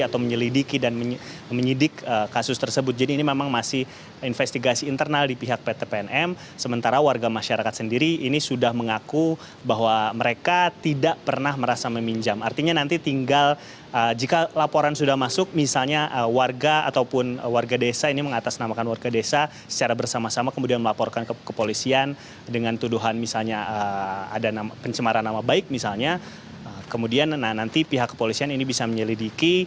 atau menyelidiki dan menyidik kasus tersebut jadi ini memang masih investigasi internal di pihak pt pnm sementara warga masyarakat sendiri ini sudah mengaku bahwa mereka tidak pernah merasa meminjam artinya nanti tinggal jika laporan sudah masuk misalnya warga ataupun warga desa ini mengatasnamakan warga desa secara bersama sama kemudian melaporkan ke polisian dengan tuduhan misalnya ada pencemaran nama baik misalnya kemudian nanti pihak polisian ini bisa menyelidiki